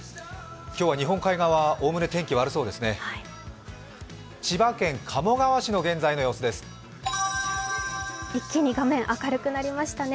今日は日本海側、おおむね天気が悪そうですね。